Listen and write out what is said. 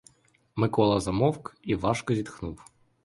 Микола замовк і важко зітхнув.